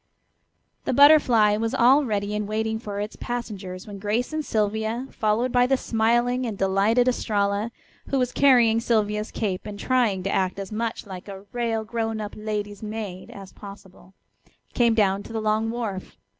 The Butterfly was all ready and waiting for its passengers when Grace and Sylvia, followed by the smiling and delighted Estralla, who was carrying Sylvia's cape and trying to act as much like a "rale grown up lady's maid" as possible, came down to the long wharf.